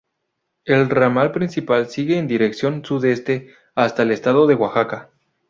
El ramal principal sigue en dirección sudeste hasta el estado de Oaxaca.